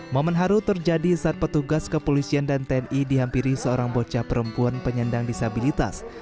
momen haru terjadi saat petugas kepolisian dan tni dihampiri seorang bocah perempuan penyandang disabilitas